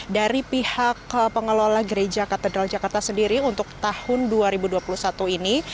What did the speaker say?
dari pihak pengelola gereja katedral jakarta sendiri untuk tahun dua ribu dua puluh satu ini